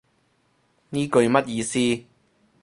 呢句乜意思